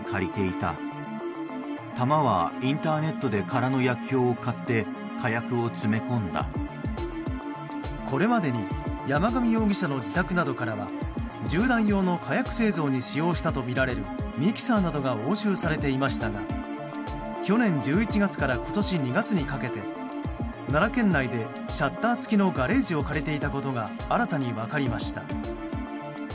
逮捕された山上容疑者の新たな供述からこれまでに山上容疑者の自宅などからは銃弾用の火薬製造に使用したとみられるミキサーなどが押収されていましたが去年１１月から今年２月にかけて奈良県内でシャッター付きのガレージを借りていたことが新たに分かりました。